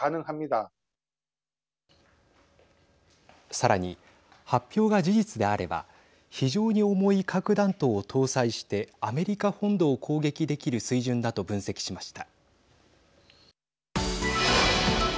さらに、発表が事実であれば非常に重い核弾頭を搭載してアメリカ本土を攻撃できる水準だと分析しました。